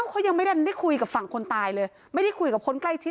เขายังไม่ได้คุยกับฝั่งคนตายเลยไม่ได้คุยกับคนใกล้ชิด